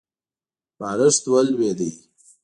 بالښت ولوېد.